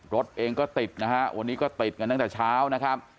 รถเองก็ติดนะฮะวันนี้ก็ติดกันตั้งแต่เช้านะครับ